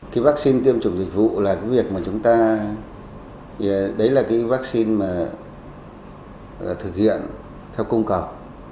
cái vaccine tiêm chủng dịch vụ là cái việc mà chúng ta đấy là cái vaccine mà thực hiện theo cung cầu